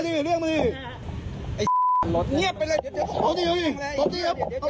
เลี้ยงลูกครอบครัวของตัวพี่